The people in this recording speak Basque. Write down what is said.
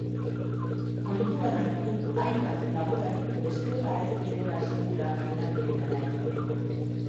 Kontuan hartu hainbat laborari bestela ez zirela sekula kantaldietara etorriko.